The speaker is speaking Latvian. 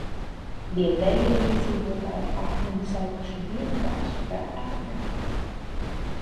Vietējie iedzīvotāji akmeni saukuši vienkārši par Akmeni.